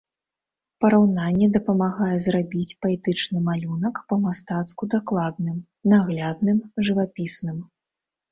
Параўнанне дапамагае зрабіць паэтычны малюнак па-мастацку дакладным, наглядным, жывапісным.